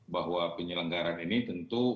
bahwa penyelenggaran ini tentu